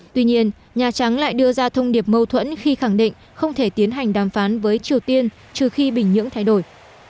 tuy nhiên nhà trắng lại đưa ra thông điệp mâu thuẫn khi khẳng định không thể tiến hành đàm phán với triều tiên trừ khi bình nhưỡng thay đổi